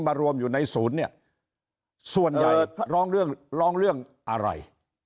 มารวมอยู่ในศูนย์ส่วนใหญ่ร้องเรืองอะไร